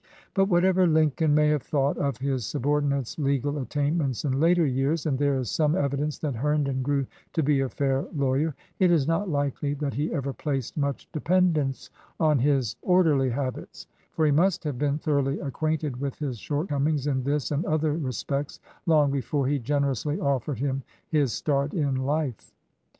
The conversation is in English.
But whatever Lincoln may have thought of his subordinate's legal attainments in later years, — and there is some evidence that Herndon grew to be a fair lawyer, —it is not likely that he ever placed much depen dence on his orderly habits; for he must have been thoroughly acquainted with his shortcom ings in this and other respects long before he generously offered him his start in life.